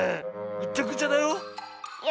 ぐちゃぐちゃだよ。